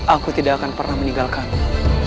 aku tidak akan pernah meninggalkanmu